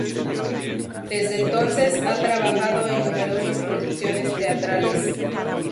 Desde entonces, ha trabajado en numerosas producciones teatrales.